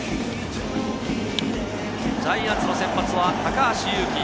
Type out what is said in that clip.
ジャイアンツの先発は高橋優貴。